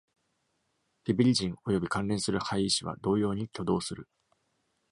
ビピリジンおよび関連する配位子は同様に挙動する。